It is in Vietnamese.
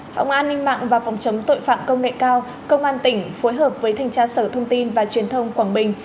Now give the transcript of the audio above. phóng an ninh mạng và phòng chống tội phạm công nghệ cao công an tỉnh phối hợp với thành trá sở thông tin và truyền thông quảng bình